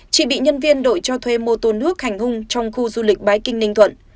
chị bị nhân viên đội cho thuê mô tô nước hành hung trong khu du lịch bái kinh ninh thuận